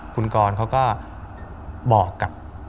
คุณกรเขาก็บอกกับ